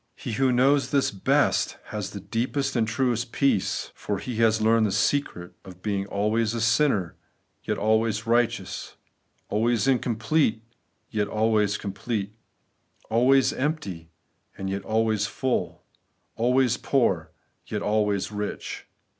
He who knows this best has the deepest and truest peace :, for he has learned the secret of being always a sinner, yet always righteous ; always incomplete, yet always complete ; always empty, and yet always fuU ; always poor,*and yet always rich.